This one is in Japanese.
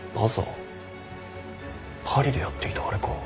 パリでやっていたあれか。